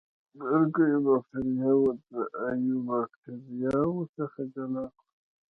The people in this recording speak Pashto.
ارکیو باکتریاوې د ایو باکتریاوو څخه جلا کړو.